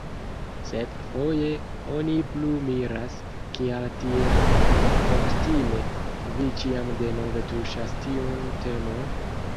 Sed, foje oni plu miras, kial tiel obstine vi ĉiam denove tuŝas tiun temon?